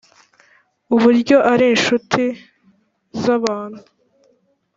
uburyo ari inshuti z'abantu